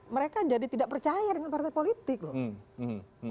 mereka jadi tidak percaya dengan partai politik loh